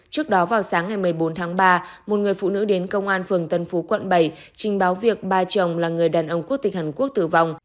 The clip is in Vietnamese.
trước đó vào sáng ngày một mươi bốn tháng ba một người phụ nữ đến công an phường tân phú quận bảy trình báo việc ba chồng là người đàn ông quốc tịch hàn quốc tử vong